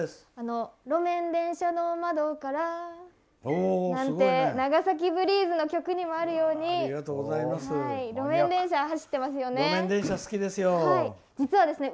「路面電車の窓から」なんて「長崎ＢＲＥＥＺＥ」の曲にもあるように路面電車が走ってますよね。